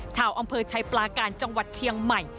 ชาวอำเภอชัยปลาการจังหวัดเชียงใหม่